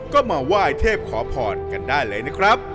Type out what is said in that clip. ก็มาไหว้เทพขอพรกันได้เลยนะครับ